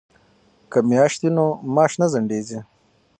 که میاشت وي نو معاش نه ځنډیږي.